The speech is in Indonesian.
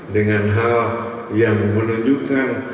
dengan hal yang menunjukkan